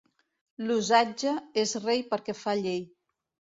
L'usatge és rei perquè fa llei.